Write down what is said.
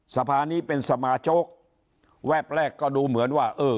สภานี้เป็นสมาชิกแวบแรกก็ดูเหมือนว่าเออ